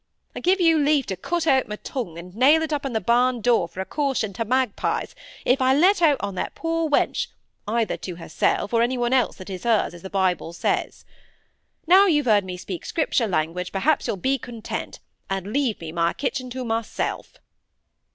I give you leave to cut out my tongue, and nail it up on th' barn door for a caution to magpies, if I let out on that poor wench, either to herself, or any one that is hers, as the Bible says. Now you've heard me speak Scripture language, perhaps you'll be content, and leave me my kitchen to myself."